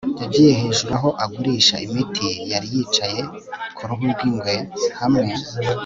yagiye hejuru aho ugurisha imiti yari yicaye ku ruhu rw'ingwe, hamwe